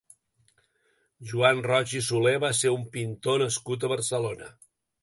Joan Roig i Soler va ser un pintor nascut a Barcelona.